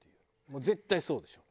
もう絶対そうでしょ。